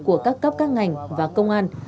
của các cấp các ngành và công an